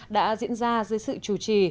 đã diễn ra dưới sự chủ trì